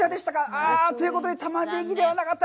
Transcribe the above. あ、ということでタマネギではなかった。